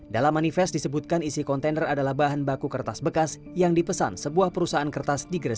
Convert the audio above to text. dalam manifest disebutkan isi kontainer adalah bahan baku kertas bekas yang dipesan sebuah perusahaan kertas di gresik